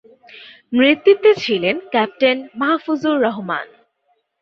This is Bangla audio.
নেতৃত্বে ছিলেন ক্যাপ্টেন মাহফুজুর রহমান।